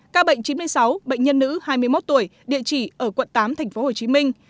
các bệnh chín mươi sáu bệnh nhân nữ hai mươi một tuổi địa chỉ ở quận tám thành phố hồ chí minh